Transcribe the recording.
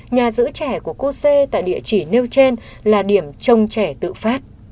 nhà giữ trẻ của cô xê tại địa chỉ nêu trên là điểm trông trẻ tự phát